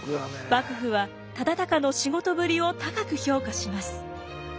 幕府は忠敬の仕事ぶりを高く評価します。